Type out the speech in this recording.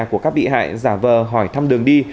của các bị hại giả vờ hỏi thăm đường đi